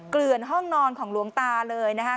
เกลือนห้องนอนของหลวงตาเลยนะคะ